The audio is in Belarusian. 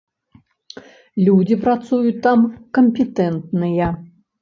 Людзі працуюць там кампетэнтныя.